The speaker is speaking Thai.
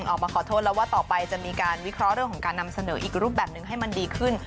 ออกมาขอโทษแล้วว่าต่อไปจะมีการวิเคราะห์เรื่องของการนำเสนออีกรูปแบบนึงให้มันดีขึ้น